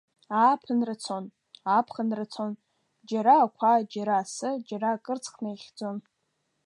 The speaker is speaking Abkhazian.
Ааԥынра цон, аԥхынра цон, џьара ақәа, џьара асы, џьара акырцх наихьӡон.